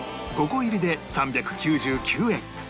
５個入りで３９９円